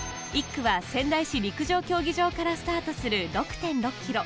１区は仙台市陸上競技場からスタートする６．６ｋｍ。